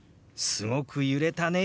「すごく揺れたね」。